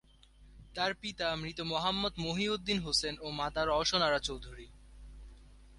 তার পিতা মৃত মোহাম্মদ মহিউদ্দিন হোসেন ও মাতা রওশন আরা চৌধুরী।